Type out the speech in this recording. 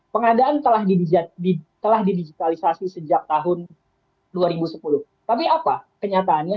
pengadaan telah didigitalisasi sejak tahun dua ribu sepuluh tapi apa kenyataannya